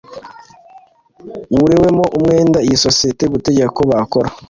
uburewemo umwenda isosiyete gutegeka ko bakora